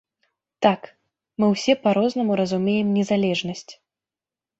Так, мы ўсе па-рознаму разумеем незалежнасць.